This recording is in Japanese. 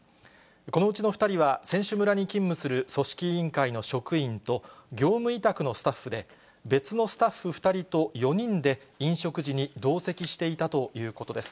このうちの２人は、選手村に勤務する組織委員会の職員と、業務委託のスタッフで、別のスタッフ２人と４人で飲食時に同席していたということです。